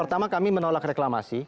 pertama kami menolak reklamasi